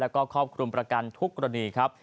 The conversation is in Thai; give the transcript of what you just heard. แล้วก็ครอบคลุมประกันทุกกรณีครับ